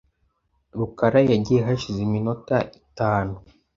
rukara yagiye hashize iminota itanu.